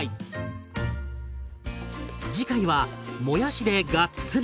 次回はもやしでがっつり。